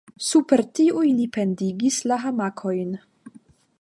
Super tiuj ni pendigis la hamakojn.